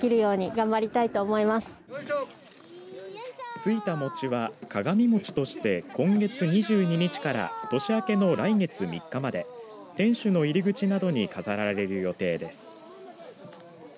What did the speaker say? ついた餅は鏡餅として今月２２日から年明けの来月３日まで天守の入り口などに飾られる予定です。